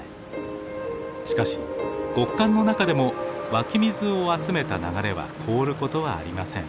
しかし極寒の中でも湧き水を集めた流れは凍ることはありません。